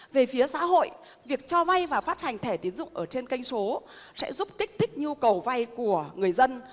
về phía xã hội việc cho vai và phát hành thẻ tín dụng trên kênh số sẽ giúp kích thích nhu cầu vai của người dân